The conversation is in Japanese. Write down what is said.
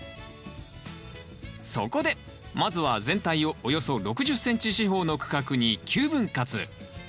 そこでまずは全体をおよそ６０ｃｍ四方の区画に９分割。